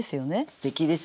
すてきですね。